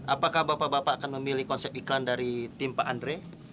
apakah bapak bapak akan memilih konsep iklan dari tim pak andre